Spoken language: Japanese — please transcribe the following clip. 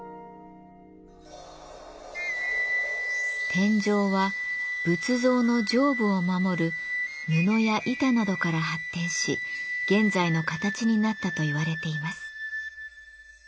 天井は仏像の上部を守る布や板などから発展し現在の形になったといわれています。